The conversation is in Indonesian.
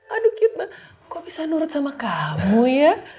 aduh kita kok bisa nurut sama kamu ya